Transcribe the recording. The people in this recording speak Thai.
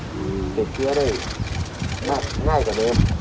ติดเชื้อได้ง่ายกว่าเดิม